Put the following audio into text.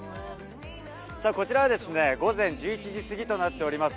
こちらは午前１１時過ぎとなっております。